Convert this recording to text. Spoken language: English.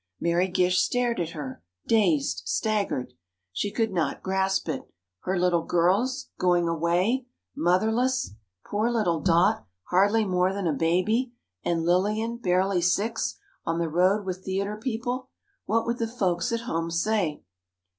Mary Gish stared at her, dazed, staggered. She could not grasp it. Her little girls ... going away ... motherless.... Poor little Dot, hardly more than a baby ... and Lillian, barely six ... on the road with theatre people ... what would the folks at home say?